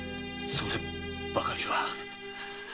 そればかりは。